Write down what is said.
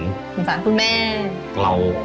สงสารคุณแม่